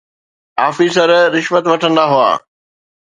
Officer رشوت وٺندا هئا.